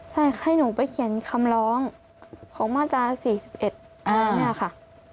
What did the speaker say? ใช่ให้หนูไปเขียนคำร้องของมาตรา๔๑อะไรเนี่ยค่ะ